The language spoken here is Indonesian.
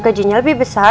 gajinya lebih besar